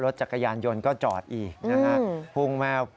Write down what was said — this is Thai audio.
รถจากกายานยนต์ก็จอดอีกนะครับ